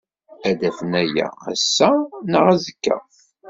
Ad d-afen aya ass-a neɣ azekka.